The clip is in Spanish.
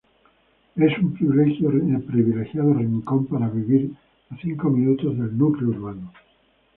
Es un privilegiado rincón para vivir a cinco minutos del núcleo urbano.